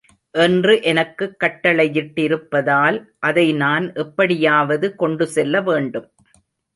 என்று எனக்குக் கட்டளையிட்டிருப்பதால், அதை நான் எப்படியாவது கொண்டுசெல்ல வேண்டும்.